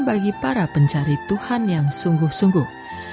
bagi para pencari tuhan yang sungguh sungguh